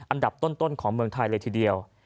อันดับต้นของเมืองไทยเลยทีเดียว